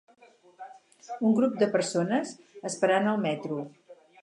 Un grup de persones esperant el metro.